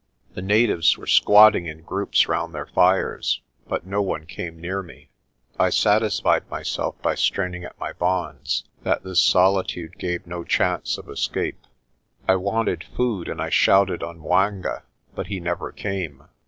The natives were squatting in groups round their fires, but no one came near me. I satisfied myself by straining at my bonds that this solitude gave no chance of escape. I wanted food, and I shouted on 'Mwanga, but he never came.